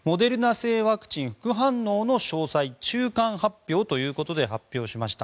製ワクチン副反応の詳細中間発表ということで発表しました。